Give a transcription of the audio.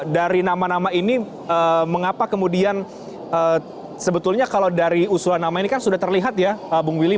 dari nama nama ini mengapa kemudian sebetulnya kalau dari usulan nama ini kan sudah terlihat ya bung willy